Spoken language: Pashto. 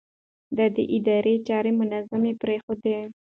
ده د ادارې چارې منظمې پرېښودې.